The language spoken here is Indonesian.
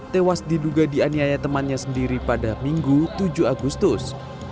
tewas diduga dianiaya temannya sendiri pada minggu tujuh agustus